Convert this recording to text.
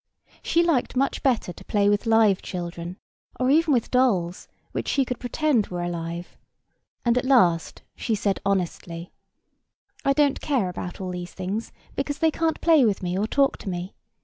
She liked much better to play with live children, or even with dolls, which she could pretend were alive; and at last she said honestly, "I don't care about all these things, because they can't play with me, or talk to me.